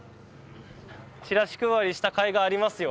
チラシ配りしたかいがありますよ。